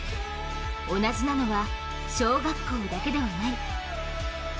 同じなのは小学校だけではない。